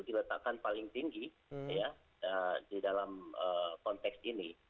diletakkan paling tinggi di dalam konteks ini